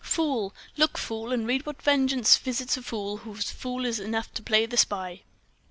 "Fool! Look, fool, and read what vengeance visits a fool who is fool enough to play the spy!"